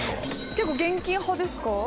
結構現金派ですか？